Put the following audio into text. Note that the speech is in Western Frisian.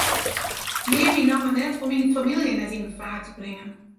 Neam myn namme net om myn famylje net yn gefaar te bringen.